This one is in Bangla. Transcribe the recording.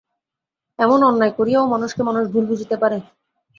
এমন অন্যায় করিয়াও মানুষকে মানুষ ভুল বুঝিতে পারে!